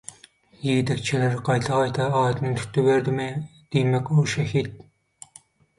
Ýigidekçeler gaýta-gaýta adyny tutuberdimi, diýmek ol şehit.